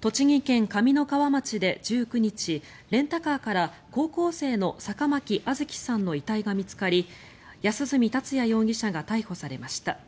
栃木県上三川町で１９日レンタカーから高校生の坂巻杏月さんの遺体が見つかり安栖達也容疑者が逮捕されました。